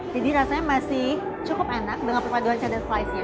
jadi rasanya masih cukup enak dengan perpaduan cheddar slice nya